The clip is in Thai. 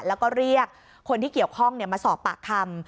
แล้วก็เรียกคนที่เกี่ยวข้องมาสอบปากคำ